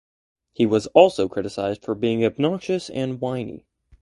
He was also criticized for being obnoxious and whiny.